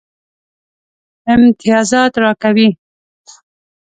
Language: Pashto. امتیازات راکوي.